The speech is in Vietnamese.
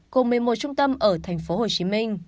cùng một mươi một trung tâm ở thành phố hồ chí minh